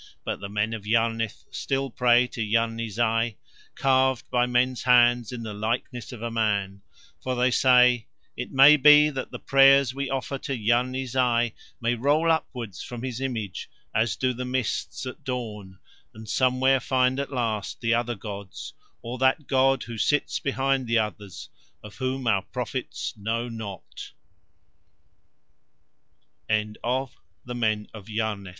But the men of Yarnith still pray to Yarni Zai, carved by men's hands in the likeness of a man, for they say—"It may be that the prayers we offer to Yarni Zai may roll upwards from his image as do the mists at dawn, and somewhere find at last the other gods or that God who sits behind the others of whom our prophets know not."